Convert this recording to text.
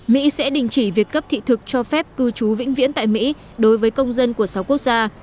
mỹ sẽ đình chỉ việc cấp thị thực cho phép cư trú vĩnh viễn tại mỹ đối với công dân của sáu quốc gia